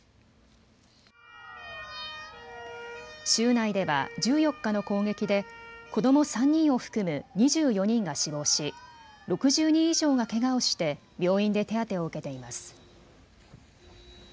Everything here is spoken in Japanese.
州内では１４日の攻撃で子ども３人を含む２４人が死亡し６０人以上がけがをして病院で手当てを受けています。